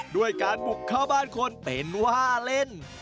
ด้วยการบุกเข้าบ้านคนเป็นว่าเล่น